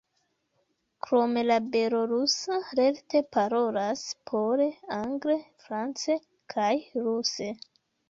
Krom la belorusa lerte parolas pole, angle, france kaj ruse.